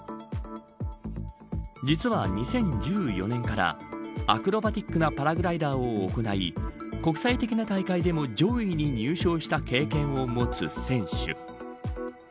実は２０１４年からアクロバティックなパラグライダーを行い国際的な大会でも上位に入賞した経験を持つ選手。